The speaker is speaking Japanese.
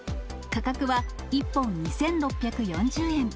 価格は、１本２６４０円。